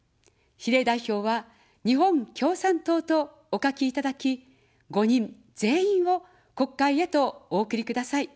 比例代表は日本共産党とお書きいただき、５人全員を国会へとお送りください。